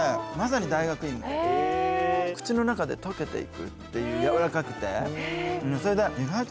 口の中で溶けていくっていうやわらかくて。